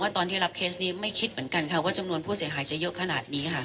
ตอนที่รับเคสนี้อาจจะจำนวนผู้เสียหายนี่